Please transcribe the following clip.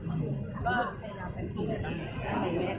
ก็ในยามแววเมนเซคชีมก็ดีมาก